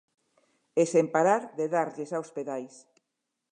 E sen parar de darlles aos pedais.